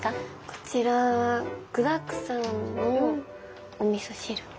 こちらは具だくさんのおみそ汁！